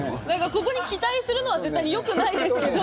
ここに期待するのは絶対によくないですけど。